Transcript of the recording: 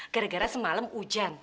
gara gara semalam hujan